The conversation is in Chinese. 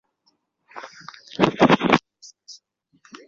通过荧光原位杂交能够确认它们的存在。